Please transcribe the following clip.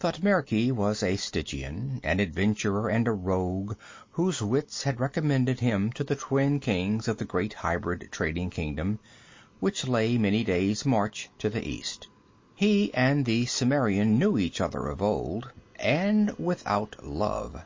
Thutmekri was a Stygian, an adventurer and a rogue whose wits had recommended him to the twin kings of the great hybrid trading kingdom which lay many days' march to the east. He and the Cimmerian knew each other of old, and without love.